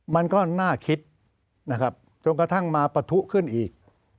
มันก็น่าคิดนะครับจนกระทั่งมาปะทุขึ้นอีก